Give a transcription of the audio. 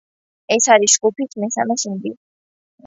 ეს არის ჯგუფის მესამე სინგლი.